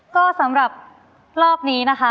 ก็สำหรับรอบนี้นะคะ